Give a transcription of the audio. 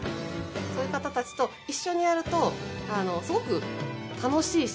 そういう方たちと一緒にやるとすごく楽しいし。